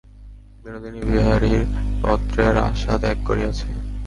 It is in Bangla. বিনোদিনী বিহারীর পত্রের আশা ত্যাগ করিয়াছে।